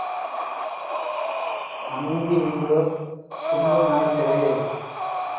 அமிஞ்சி உண்டோ கும்பு நாயக்கரே.